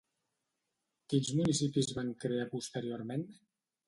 Quins municipis van crear posteriorment?